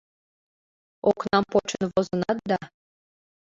Окнам почын возынат да